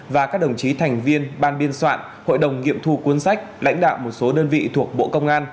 và các đồng chí thành viên ban biên soạn hội đồng nghiệm thu cuốn sách lãnh đạo một số đơn vị thuộc bộ công an